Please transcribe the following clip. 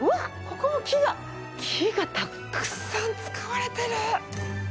ここも木が木がたくさん使われてる。